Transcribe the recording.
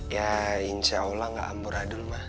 ya insya allah gak ambaradul ma